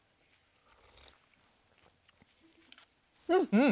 うん！